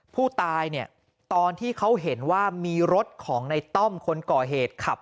ผู้ตายเนี่ยตอนที่เขาเห็นว่ามีรถของในต้อมคนก่อเหตุขับ